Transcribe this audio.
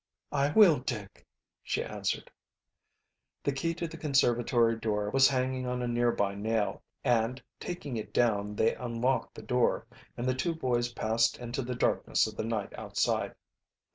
"I will, Dick," she answered. The key to the conservatory door was hanging on a nearby nail, and taking it down they unlocked the door, and the two boys passed into the darkness of the night outside.